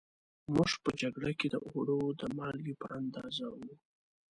موږ په جگړه کې د اوړو د مالگې په اندازه وو